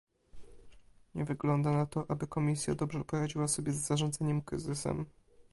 Nie wygląda na to, aby Komisja dobrze poradziła sobie z zarządzaniem kryzysem